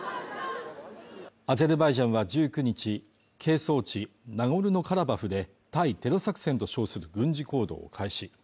アゼルバイジャンは１９日係争地ナゴルノカラバフで対テロ作戦と称する軍事行動を開始